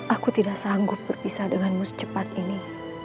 aku tidak sanggup berpisah denganmu secepat ini